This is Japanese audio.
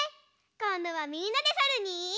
こんどはみんなでさるに。